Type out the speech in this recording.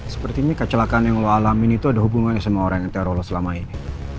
seperti ini kecelakaan yang lo alamin itu ada hubungannya sama orang yang teror lo selama ini